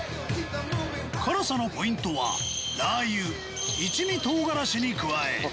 辛さのポイントはラー油一味唐辛子に加え